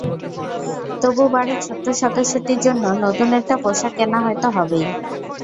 তবু বাড়ির ছোট্ট সদস্যটির জন্য নতুন একটা পোশাক কেনা হয়তো হবেই।